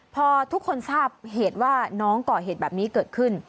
พอทุกคนทราบเหตุว่าน้องก่อเหตุแบบนี้เกิดขึ้น